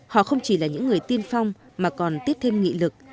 họ không chỉ là những người tiên phong mà còn tiếp thêm nghị lực